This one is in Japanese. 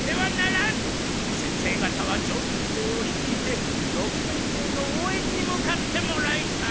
先生がたは上級生をひきいて六年生のおうえんに向かってもらいたい。